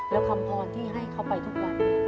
แล้วคำพรที่ให้เขาไปทุกวัน